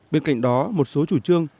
bên cạnh đó một số chủ trương